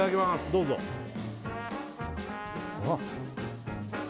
どうぞあっ！